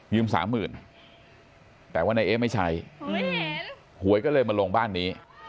ยืม๓๐๐๐๐แต่ว่านายเไม่ใช่